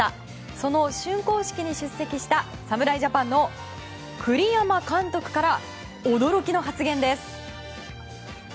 その竣工式に出席した侍ジャパンの栗山監督から驚きの発言です。